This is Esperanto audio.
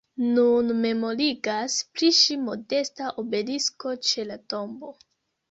Nun memorigas pri ŝi modesta obelisko ĉe la tombo.